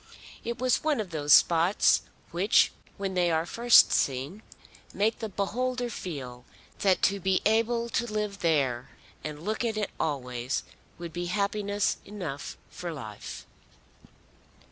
It was one of those spots which when they are first seen make the beholder feel that to be able to live there and look at it always would be happiness enough for life.